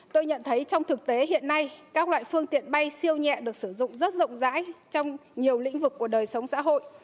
tôi nhận thấy trong thực tế hiện nay các loại phương tiện bay siêu nhẹ được sử dụng rất rộng rãi trong nhiều lĩnh vực của đời sống xã hội